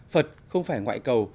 phật không phải ngoại cầu